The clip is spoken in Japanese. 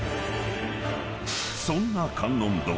［そんな観音堂